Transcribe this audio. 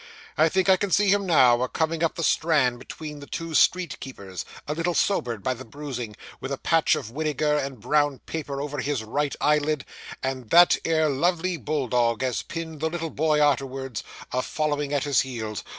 I think I can see him now, a coming up the Strand between the two street keepers, a little sobered by the bruising, with a patch o' winegar and brown paper over his right eyelid, and that 'ere lovely bulldog, as pinned the little boy arterwards, a following at his heels.